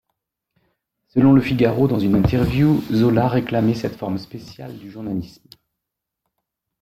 Selon Le Figaro, dans un interview, Zola réclamait cette forme spéciale du journalisme.